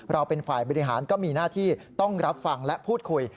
เราเป็นฝ่ายบริหารก็มีหน้าที่ต้องรับฟังและพูดคุย